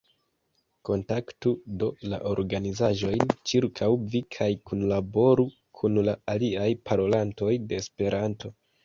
Kontaktu, do, la organizaĵojn ĉirkaŭ vi kaj kunlaboru kun la aliaj parolantoj de Esperanto.